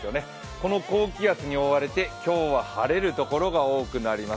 この高気圧に覆われて今日は晴れるところが多くなります。